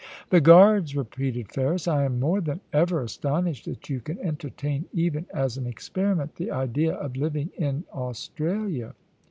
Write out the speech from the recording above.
* The Guards,' repeated Ferris. * I am more than ever astonished that you can entertain, even as an experiment, the idea of living in Australia.'